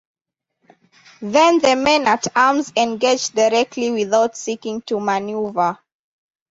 Then the men-at-arms engaged directly without seeking to maneuver.